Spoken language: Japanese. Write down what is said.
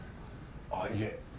あっいえ。